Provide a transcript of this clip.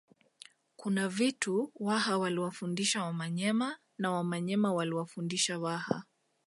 Kuna vitu Waha waliwafundisha Wamanyema na Wamanyema waliwafundisha Waha